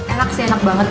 enak sih enak banget